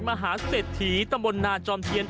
มหาเศรษฐีตำบลนาจอมเทียน